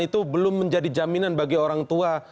itu belum menjadi jaminan bagi orang tua